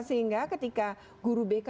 sehingga ketika guru bk